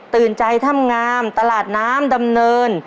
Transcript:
ตื่นใจถ้ำงามตลาดน้ำดำเนิน